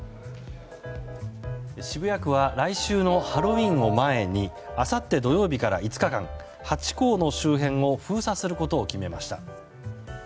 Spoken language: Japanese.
渋谷区は来週のハロウィーンを前にあさって土曜日から５日間ハチ公の周辺を封鎖することを決めました。